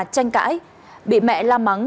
tranh cãi bị mẹ la mắng